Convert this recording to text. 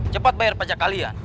cepat bayar pajak kalian